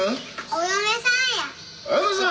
お嫁さん！